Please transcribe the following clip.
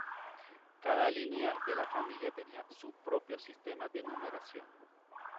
Cada línea de la familia tenía su propio sistema de numeración.